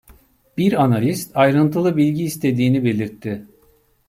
Bir analist, ayrıntılı bilgi istediğini belirtti.